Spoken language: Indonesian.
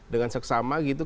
dengan seksama gitu